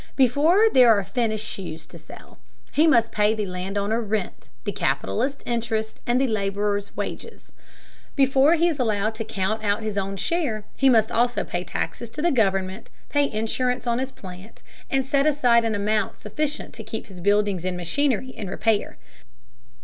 Before there are finished shoes to sell, he must pay the land owner rent, the capitalist interest, and the laborers wages. Before he is allowed to count out his own share he must also pay taxes to the government, pay insurance on his plant, and set aside an amount sufficient to keep his buildings and machinery in repair.